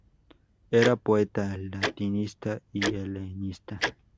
Era poeta, latinista y helenista.